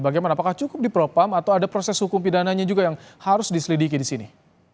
bagaimana apakah cukup di propam atau ada proses hukum pidananya juga yang harus diselidiki di sini